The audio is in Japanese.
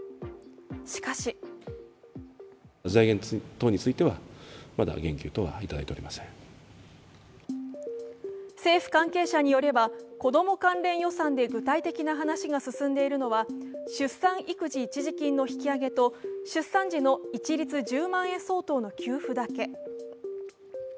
しかし政府関係者によれば子ども関連予算で具体的な話が進んでいるのは出産育児一時金の引き上げと出産時の一律１０万円相当の給付だけ。